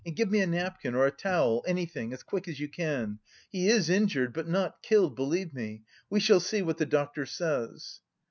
and give me a napkin or a towel, anything, as quick as you can.... He is injured, but not killed, believe me.... We shall see what the doctor says!"